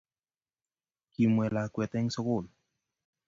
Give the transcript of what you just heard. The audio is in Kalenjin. Kimwei lakwet eng sugul